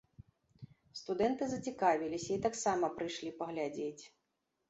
Студэнты зацікавіліся і таксама прыйшлі паглядзець.